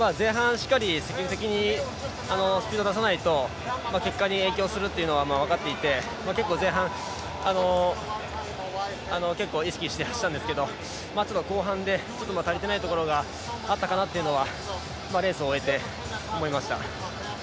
しっかり積極的にスピード出さないと結果に影響するというのは分かっていて結構、前半意識して走ったんですけど後半で足りてないところがあったかなというのはレースを終えて思いました。